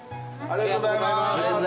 ありがとうございます。